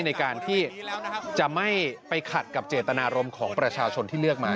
ในการที่จะไม่ไปขัดกับเจตนารมณ์ของประชาชนที่เลือกมา